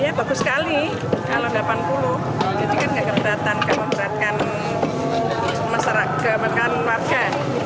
oh ya bagus sekali kalau delapan puluh jadi kan nggak keberatan kalau mesra kemenangan warga